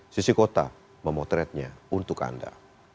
sisi kota memotretnya untuk anda